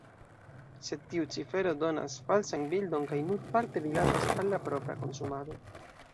Sed tiu cifero donas falsan bildon kaj nur parte rilatas al la propra konsumado.